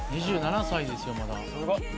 ２７歳ですよまだ。